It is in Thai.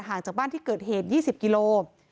ห่างจากบ้านที่เกิดเหตุ๒๐กิโลกรัม